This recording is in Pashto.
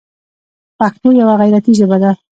پښتو یوه غیرتي ژبه ده.